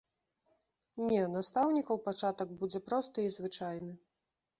Не, настаўнікаў пачатак будзе просты і звычайны.